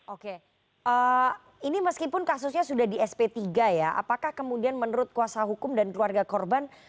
oke ini meskipun kasusnya sudah di sp tiga ya apakah kemudian menurut kuasa hukum dan keluarga korban